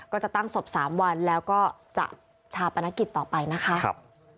ก็จะตั้งศพ๓วันแล้วก็จะชาปนกิจต่อไปนะคะ